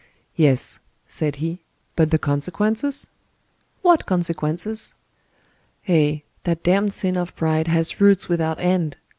"Yes," said he, "but the consequences?" "What consequences?" "Eh! that damned sin of pride has roots without end.